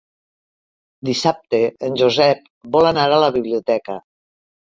Dissabte en Josep vol anar a la biblioteca.